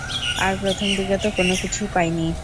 আর প্রথমদিকে তো কোন কিছুই পাইনি।